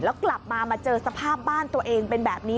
แล้วกลับมามาเจอสภาพบ้านตัวเองเป็นแบบนี้